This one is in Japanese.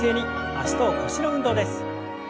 脚と腰の運動です。